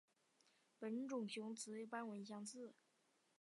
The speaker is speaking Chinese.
本种雌雄斑纹相似。